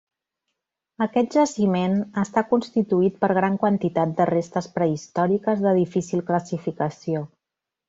Aquest jaciment està constituït per gran quantitat de restes prehistòriques de difícil classificació.